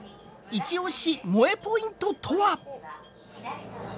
イチオシ萌えポイントとは？